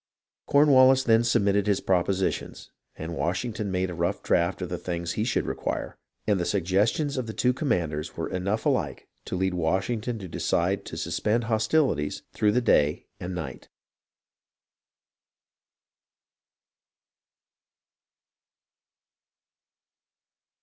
Cornwallis then submitted his propositions, and Wash ington made a rough draft of the things he should require, and the suggestions of the two commanders were enough alike to lead Washington to decide to suspend hostilities through the day and night.